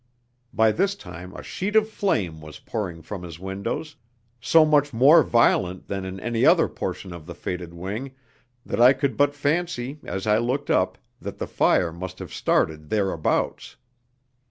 By this time a sheet of flame was pouring from his windows, so much more violent than in any other portion of the fated wing, that I could but fancy, as I looked up, that the fire must have started thereabouts.